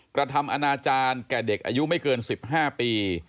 กระทำอนาจารย์แก่เด็กอายุไม่เกิน๑๕ปี